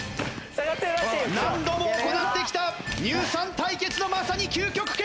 何度も行ってきた乳酸対決のまさに究極形！